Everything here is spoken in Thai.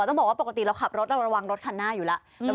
ต้องบอกว่าปกติเราขับรถเราระวังรถคันหน้าอยู่แล้ว